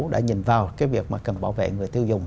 đã nhìn vào việc cần bảo vệ người tiêu dùng